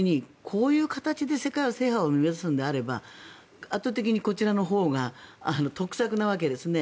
こういう形で世界制覇を目指すのであれば圧倒的にこちらのほうが得策なわけですね。